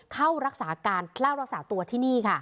เข้ารักษาการเข้ารักษาตัวที่นี่ค่ะ